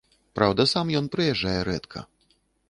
Праўда, сам ён прыязджае рэдка.